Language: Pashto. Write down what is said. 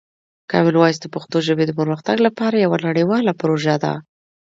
کامن وایس د پښتو ژبې د پرمختګ لپاره یوه نړیواله پروژه ده.